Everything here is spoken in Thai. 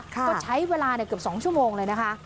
ก็ใช้เวลาเกือบ๒ชั่วโมงเลยนะคะ